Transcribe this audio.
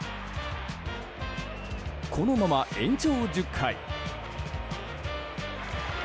このまま延長１０回。